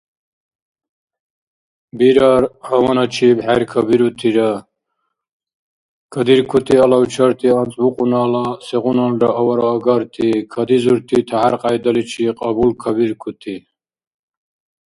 Бирар гьаваначиб хӀеркабирутира, кадиркути алавчарти анцӀбукьунала сегъуналра авараагарти, кадизурти тяхӀяр-кьяйдаличи кьабулкабиркути.